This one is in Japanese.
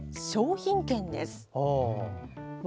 品券です。